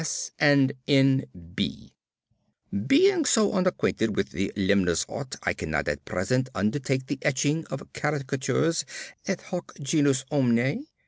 P.S. and N.B. Being so unacquainted with the limner's art, I cannot at present undertake the etching of caricatures et hoc genus omne.